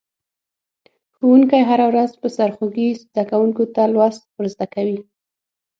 ښوونکی هره ورځ په سرخوږي زده کونکو ته لوست ور زده کوي.